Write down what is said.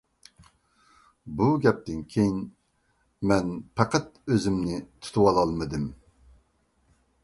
بۇ گەپتىن كېيىن، مەن پەقەت ئۆزۈمنى تۇتۇۋالالمىدىم.